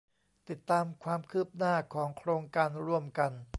ติดตามความคืบหน้าของโครงการร่วมกัน